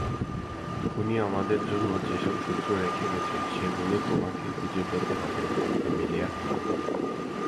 খুনি আমাদের জন্য যেসব সূত্র রেখে গেছে সেগুলো তোমাকে খুঁজে পেতে হবে, অ্যামেলিয়া।